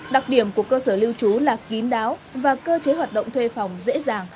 đặc điểm của cơ sở lưu trú là kín đáo và cơ chế hoạt động thuê phòng dễ dàng